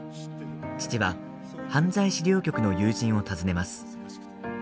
父は、犯罪資料局の友人を訪ねます。